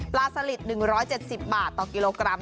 สลิด๑๗๐บาทต่อกิโลกรัม